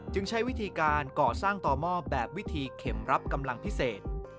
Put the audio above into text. ใช้วิธีการก่อสร้างต่อหม้อแบบวิธีเข็มรับกำลังพิเศษ